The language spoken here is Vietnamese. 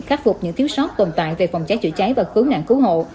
khắc phục những thiếu sót tồn tại về phòng cháy chữ cháy và khứ nạn cứu hộ